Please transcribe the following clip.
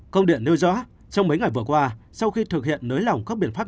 công điện nêu rõ trong mấy ngày vừa qua sau khi thực hiện nới lỏng các biện pháp